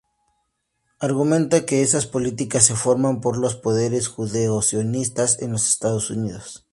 Argumenta que esas políticas se forman por "los poderes judeo-sionistas en los Estados Unidos".